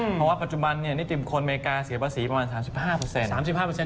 เพราะว่าปัจจุบันนิติบุคคลอเมริกาเสียภาษีประมาณ๓๕